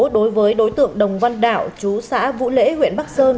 đối với đối tượng đồng văn đạo chú xã vũ lễ huyện bắc sơn